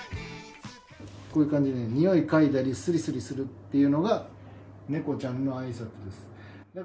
こういう感じでにおいを嗅いだりすりすりするっていうのが猫ちゃんのあいさつです。